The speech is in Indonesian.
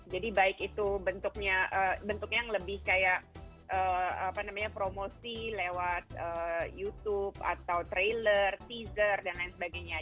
jadi baik itu bentuknya yang lebih kayak promosi lewat youtube atau trailer teaser dan lain sebagainya